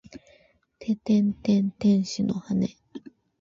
ててんてん天使の羽！